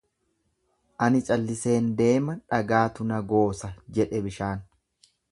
Ani calliseen deema dhagaatu na goosa jedhe bishaan.